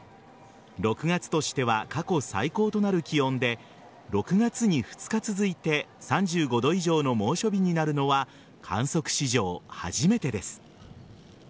６月としては過去最高となる気温で６月に２日続いて３５度以上の猛暑日になるのは観測史上初めてです。